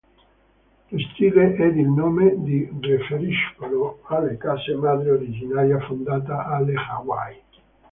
Lo stile ed il nome si riferiscono alla casa madre originaria fondata alle Hawaii.